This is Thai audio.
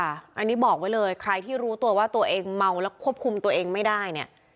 อันนี้บอกไว้เลยใครที่รู้ตัวว่าตัวเองเมาแล้วควบคุมตัวเองไม่ได้เนี่ย